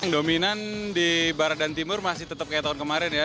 dominan di barat dan timur masih tetap kayak tahun kemarin ya